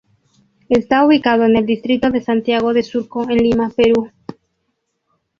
Está ubicado en el distrito de Santiago de Surco, en Lima, Perú.